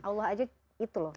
allah aja itu loh